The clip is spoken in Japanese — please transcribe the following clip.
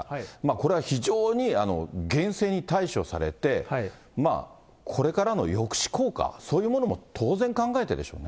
これは非常に厳正に対処されて、これからの抑止効果、そういうものも当然考えてでしょうね。